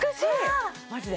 マジで？